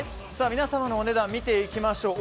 皆様のお値段見ていきましょう。